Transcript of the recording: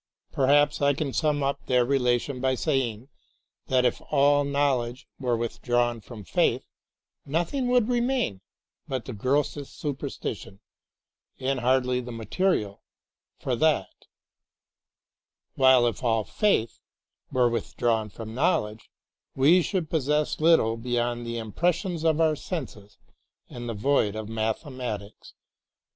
Perhaps I can sum up their relations by saying that if all knowledge were with drawn from faith nothing would remain but the grossest superstition, and hardly the material for that, while if all faith were with drawn from knowledge we should possess 5 THE LIVING WORD little beyond the impressions of our senses and the void of mathematics.